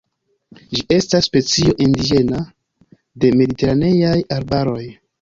Ĝi estas specio indiĝena de mediteraneaj arbaroj.